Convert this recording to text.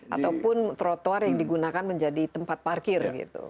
ataupun trotoar yang digunakan menjadi tempat parkir gitu